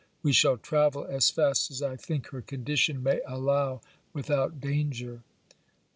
We shall travel as fast as I think her condition may allow without danger.